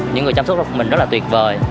những người chăm sóc mình rất là tuyệt vời